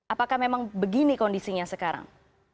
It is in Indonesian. apakah memang begini kondisinya sekarang